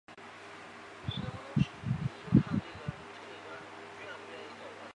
他因电影烈血大风暴提名奥斯卡最佳音响效果奖。